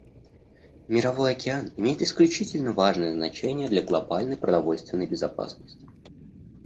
Мировой океан имеет исключительно важное значение для глобальной продовольственной безопасности.